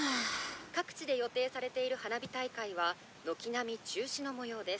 「各地で予定されている花火大会は軒並み中止の模様です」